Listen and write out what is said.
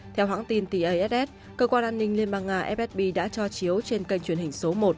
theo hãng tin tass cơ quan an ninh liên bang nga fsb đã cho chiếu trên kênh truyền hình số một